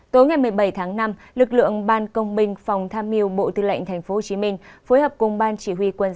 tối ngày một mươi bảy tháng năm lực lượng ban công binh phòng tham miu bộ tư lệnh tp hcm phối hợp cùng ban chỉ huy quân